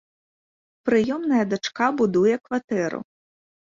Прыёмная дачка будуе кватэру.